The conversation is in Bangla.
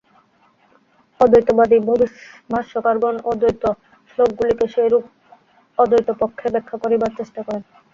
অদ্বৈতবাদী ভাষ্যকারগণও দ্বৈত শ্লোকগুলিকে সেইরূপ অদ্বৈতপক্ষে ব্যাখ্যা করিবার চেষ্টা করেন।